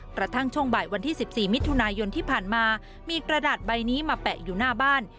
กระทั่งช่วงบ่ายวันที่๑๔มิถุนายนที่ผ่านมามีกระดาษใบนี้มาแปะอยู่หน้าบ้าน